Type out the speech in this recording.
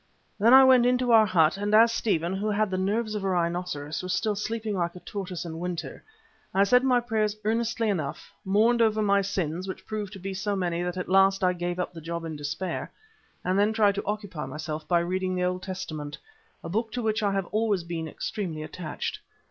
Then I went into our hut, and as Stephen, who had the nerves of a rhinoceros, was still sleeping like a tortoise in winter, I said my prayers earnestly enough, mourned over my sins which proved to be so many that at last I gave up the job in despair, and then tried to occupy myself by reading the Old Testament, a book to which I have always been extremely attached.